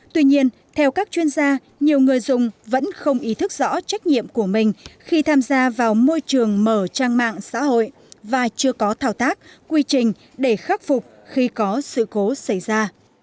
tuy nhiên theo các chuyên gia nhiều người dùng vẫn không ý thức rõ trách nhiệm của mình khi tham gia vào môi trường mở trang mạng xã hội và chưa có thao tác quy trình để khắc phục khi có sự cố xảy ra